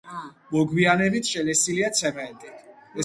მოგვიანებით შელესილია ცემენტით.